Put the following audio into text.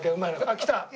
あっ来た。